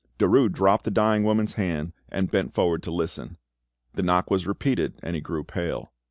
Derues dropped the dying woman's hand and bent forward to listen. The knock was repeated, and he grew pale.